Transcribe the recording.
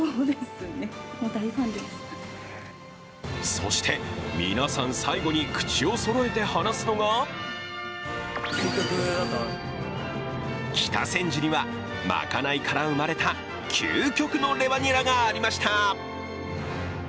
そして、皆さん最後に口をそろえて離すのが北千住には、賄いから生まれた究極のレバニラがありました。